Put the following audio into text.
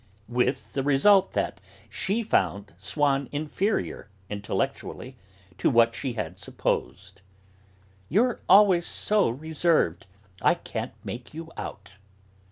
With the result that she found Swann inferior, intellectually, to what she had supposed. "You're always so reserved; I can't make you out."